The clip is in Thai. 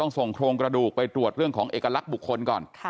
ส่งโครงกระดูกไปตรวจเรื่องของเอกลักษณ์บุคคลก่อน